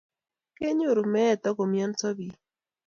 kenyoru meet ago umianso biik